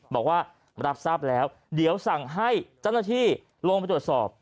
บอกว่ารับทราบแล้วเดี๋ยวสั่งให้เจ้าหน้าที่ลงไปตรวจสอบ